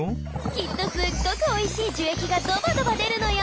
きっとすっごくおいしい樹液がドバドバ出るのよ。